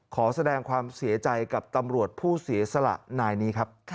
ขอแสดงความเสียใจกับตำรวจผู้เสียสละนายนี้ครับ